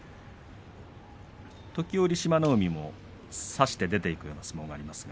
時折志摩ノ海も差して出ていくような相撲もありました。